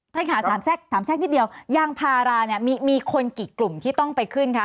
ท่านค่ะถามแทรกนิดเดียวยางพาราเนี่ยมีคนกี่กลุ่มที่ต้องไปขึ้นคะ